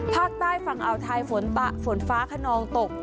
ภาคใต้ฝั่งอ่าวไทยฝนฟ้าขนองตก